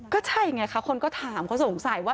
ก็ใช่ไงคะคนก็ถามเขาสงสัยว่า